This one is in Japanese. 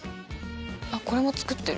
あっこれも作ってる。